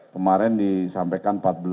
kemarin disampaikan empat belas